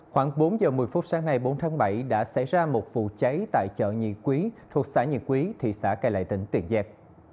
khoảng bốn giờ một mươi phút sáng nay bốn tháng bảy đã xảy ra một vụ cháy tại chợ nhị quý thuộc xã nhị quý thị xã cai lệ tỉnh tiền giang